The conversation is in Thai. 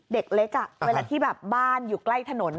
เด็กเล็กเวลาที่แบบบ้านอยู่ใกล้ถนน